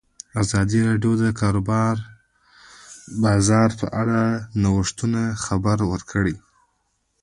ازادي راډیو د د کار بازار په اړه د نوښتونو خبر ورکړی.